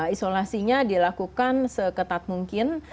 isolasinya dilakukan seketat mungkin